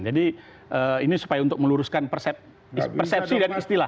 jadi ini supaya untuk meluruskan persepsi dan istilah